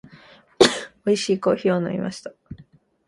美味しいコーヒーを飲みました。